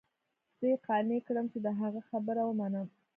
زه يې قانع كړم چې د هغه خبره ومنم.